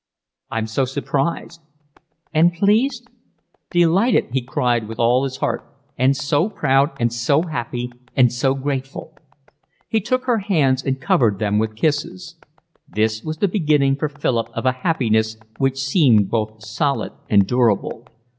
"I'm so surprised." "And pleased?" "Delighted," he cried with all his heart, "and so proud and so happy and so grateful." He took her hands and covered them with kisses. This was the beginning for Philip of a happiness which seemed both solid and durable.